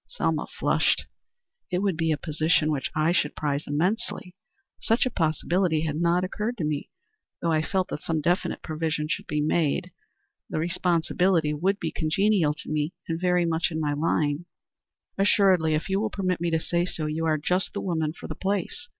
Selma flushed. "It would be a position which I should prize immensely. Such a possibility had not occurred to me, though I felt that some definite provision should be made. The responsibility would be congenial to me and very much in my line." "Assuredly. If you will permit me to say so, you are just the woman for the place.